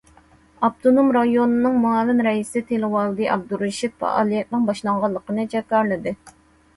ئاپتونوم رايوننىڭ مۇئاۋىن رەئىسى تىلىۋالدى ئابدۇرېشىت پائالىيەتنىڭ باشلانغانلىقىنى جاكارلىدى.